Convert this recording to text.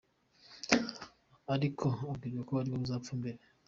Ariko abwirwa ko ariwe uzapfa mbere.